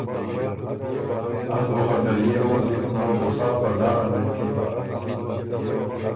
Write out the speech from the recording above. از بُو خه ډريېکم جِکم دل بُو سا په ډاره غوېکِن۔